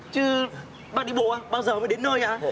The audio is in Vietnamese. chứ bác đi bộ à bao giờ mới đến nơi à